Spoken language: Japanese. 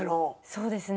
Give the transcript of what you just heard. そうですね。